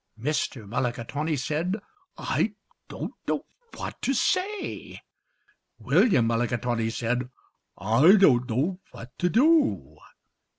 Mr. Mulligatawny said, "I don't know what to say." William Mulligatawny said, "I don't know what to do."